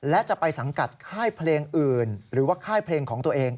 และจะไปสังกัดค่ายเพลงอื่นหรือว่าค่ายเพลงของตัวเอง